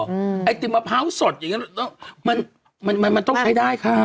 ไอติมมะพร้าวสดอย่างเงี้แล้วมันมันต้องใช้ได้ค่ะ